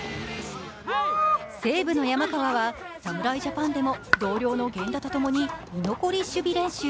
西武の山川は侍ジャパンでも同僚の源田と共に居残り練習。